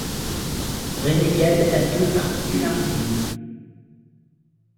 Renegade a deux particularités.